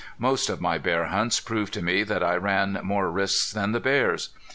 Most of my bear hunts proved to me that I ran more risks than the bears.